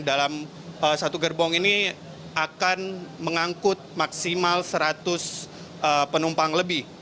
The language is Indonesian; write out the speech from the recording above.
dalam satu gerbong ini akan mengangkut maksimal seratus penumpang lebih